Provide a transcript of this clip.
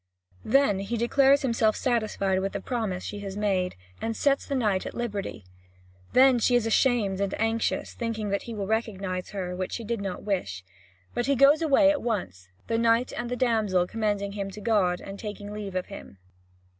Then he declares himself satisfied with the promise she has made, and sets the knight at liberty. Then she is ashamed and anxious, thinking that he will recognise her, which she did not wish. But he goes away at once, the knight and the damsel commending him to God, and taking leave of him.